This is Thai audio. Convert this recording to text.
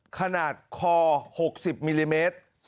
ขนาดคอ๖๐มิลลิเมตร